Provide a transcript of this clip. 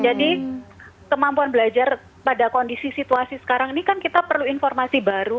jadi kemampuan belajar pada kondisi situasi sekarang ini kan kita perlu informasi baru